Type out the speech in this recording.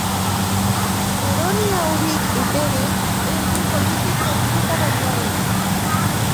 Jeroni Aurich i Pérez és un polític nascut a Banyoles.